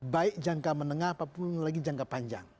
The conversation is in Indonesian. baik jangka menengah apapun lagi jangka panjang